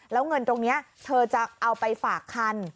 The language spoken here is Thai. แล้วเงินตรงนี้เธอจะเอาไปฝากคัน